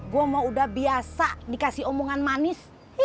gue mau udah biasa dikasih omongan manis